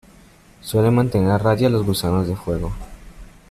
Suele mantener a raya a los gusanos de fuego.